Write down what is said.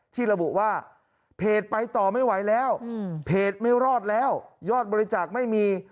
ที่ระบุว่าเพจไปต่อไม่ไหวแล้วเพจไม่รอดแล้วยอดบริจาคไม่มี